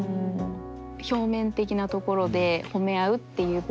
表面的なところで褒め合うっていう部分は。